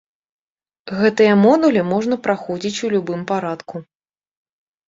Гэтыя модулі можна праходзіць у любым парадку.